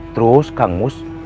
terus kang mus